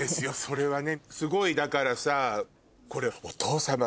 すごいだからさこれ。